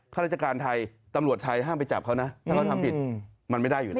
ข้าราชการไทยตำรวจไทยห้ามไปจับเขานะถ้าเขาทำผิดมันไม่ได้อยู่นะ